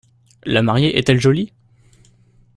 La mariée est-elle jolie ?